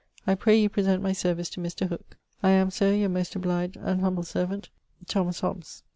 I pray you present my service to Mr. Hooke. I am, Sir, your most obliged and humble servant, THO: HOBBES.